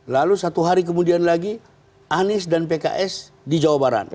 lalu satu hari kemudian lagi anies dan pks di jawa barat